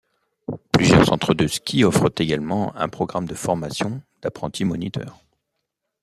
Plusieurs centres de ski offrent également un programme de formation d'apprentis moniteurs.